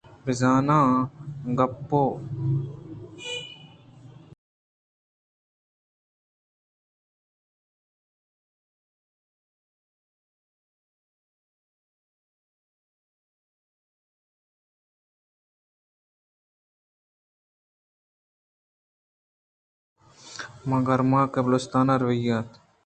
من ءَ گرماگ ءَ بلوچستان ءَ روگی اِنت